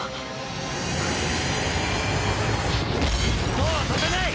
そうはさせない！